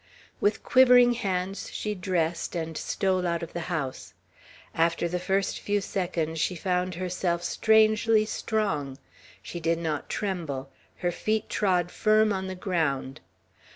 With quivering hands she dressed, and stole out of the house. After the first few seconds she found herself strangely strong; she did not tremble; her feet trod firm on the ground.